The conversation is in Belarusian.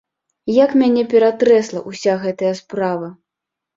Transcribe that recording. Як мяне ператрэсла ўся гэтая справа!